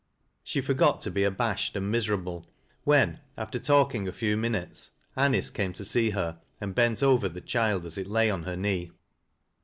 She forgot to he abashed and miserable, when, after talking a few minatoe, Anice came to hei and bent over the child as it lay oi her knee.